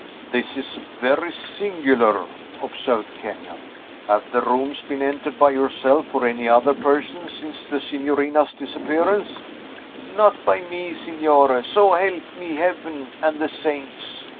"This is very singular," observed Kenyon. "Have the rooms been entered by yourself, or any other person, since the signorina's disappearance?" "Not by me, Signore, so help me Heaven and the saints!"